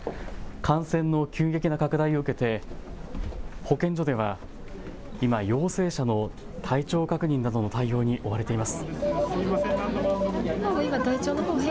感染の急激な拡大を受けて保健所では今、陽性者の体調確認などの対応に追われています。